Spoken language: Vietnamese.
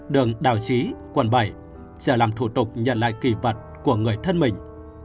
đường đào trí quận bảy sẽ làm thủ tục nhận lại kỳ vật của người thân mình